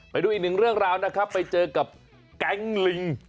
ไปดูอีกหนึ่งเรื่องราวนะครับไปเจอกับแก๊งลิง